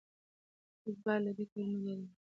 موږ باید له دې کارونو ډډه وکړو.